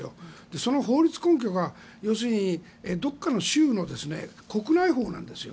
その法律根拠がどこかの州の国内法なんですよ。